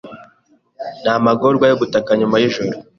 Namagorwa yo gutaka Nyuma yijoro